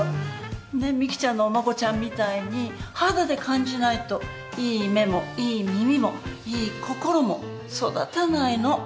ねっミキちゃんのお孫ちゃんみたいに肌で感じないといい目もいい耳もいい心も育たないの。